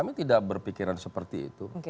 kami tidak berpikiran seperti itu